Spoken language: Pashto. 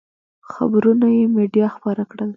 خبرونه یې مېډیا خپاره کړل.